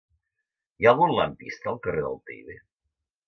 Hi ha algun lampista al carrer del Teide?